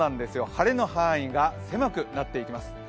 晴れの範囲が狭くなっていきます。